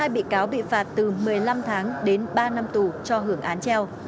một mươi bị cáo bị phạt từ một mươi năm tháng đến ba năm tù cho hưởng án treo